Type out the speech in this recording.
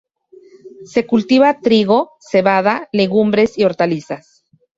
Se cultiva trigo, cebada, legumbres y hortalizas.